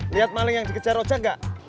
lihat maling yang dikejar ojek enggak